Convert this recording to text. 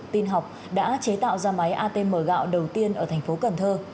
tin học đã chế tạo ra máy atm gạo đầu tiên ở thành phố cần thơ